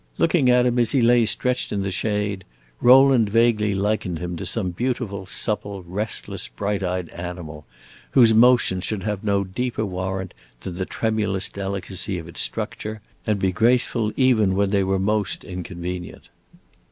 Looking at him as he lay stretched in the shade, Rowland vaguely likened him to some beautiful, supple, restless, bright eyed animal, whose motions should have no deeper warrant than the tremulous delicacy of its structure, and be graceful even when they were most inconvenient.